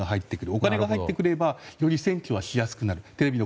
お金が入って来ればより選挙はしやすくなる。